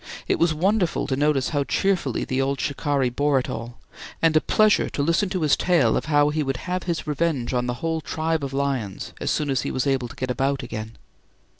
It was wonderful to notice how cheerfully the old shikari, bore it all, and a pleasure to listen to his tale of how he would have his revenge on the whole tribe of lions as soon as he was able to get about again.